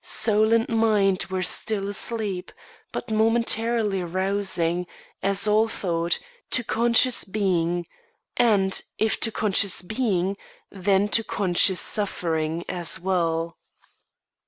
Soul and mind were still asleep, but momentarily rousing, as all thought, to conscious being and, if to conscious being, then to conscious suffering as well.